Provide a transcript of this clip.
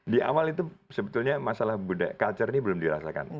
di awal itu sebetulnya masalah budaya culture ini belum dirasakan